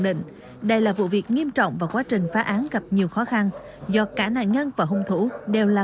định đây là vụ việc nghiêm trọng và quá trình phá án gặp nhiều khó khăn do cả nạn nhân và hung thủ đều là